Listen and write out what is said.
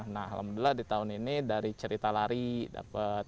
nah alhamdulillah di tahun ini dari cerita lari dapat